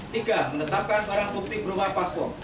tiga menetapkan barang bukti berupa paspor